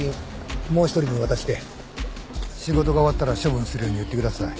もう一人に渡して仕事が終わったら処分するように言ってください。